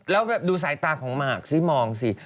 แล้วแบบดูสายตาของหมากสิมองสิ